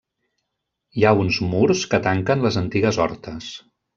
Hi ha uns murs que tanquen les antigues hortes.